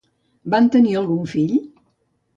Van tenir algun fill?